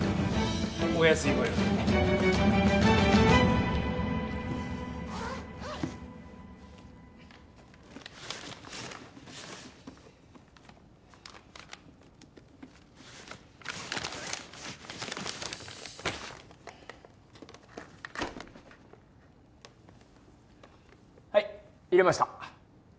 お安いご用ではい入れました